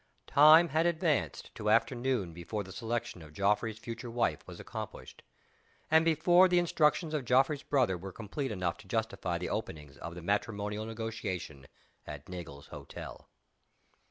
TIME had advanced to after noon before the selection of Geoffrey's future wife was accomplished, and before the instructions of Geoffrey's brother were complete enough to justify the opening of the matrimonial negotiation at Nagle's Hotel.